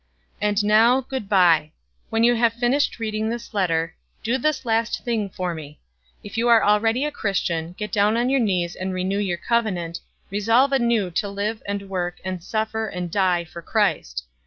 "And now good by. When you have finished reading this letter, do this last thing for me: If you are already a Christian, get down on your knees and renew your covenant; resolve anew to live and work, and suffer and die, for Christ.